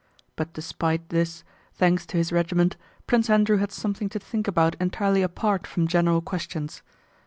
But despite this, thanks to his regiment, Prince Andrew had something to think about entirely apart from general questions.